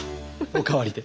お代わりで。